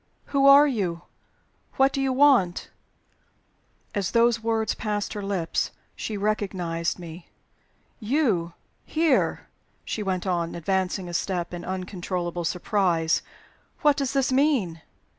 "Who are you? What do you want?" As those words passed her lips, she recognized me. "You here!" she went on, advancing a step, in uncontrollable surprise. "What does this mean?"